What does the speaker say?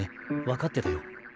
分かってたよ。